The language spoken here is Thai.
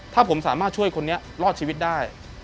ถ้าผมสามารถช่วยคนนี้รอดชีวิตได้